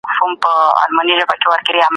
ویټامن ډي د مدافع نظام برخه ده.